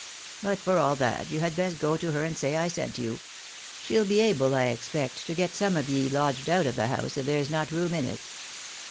But for all that, you had best go to her and say I sent you. She'll be able, I expect, to get some of ye lodged out of the house if there is not room in it."